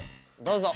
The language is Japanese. どうぞ。